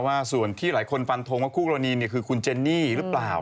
ว่าส่วนที่หลายคนฟันทงว่าคู่กรณีคือคุณเจนนี่หรือเปล่า